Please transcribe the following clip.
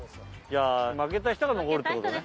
ゃあ負けた人が残るってことね？